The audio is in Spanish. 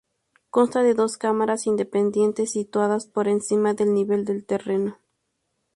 Consta de dos cámaras independientes situadas por encima del nivel del terreno.